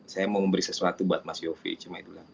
saya mau memberi sesuatu buat mas yofi cuma itu